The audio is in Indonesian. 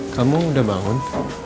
kamu udah bangun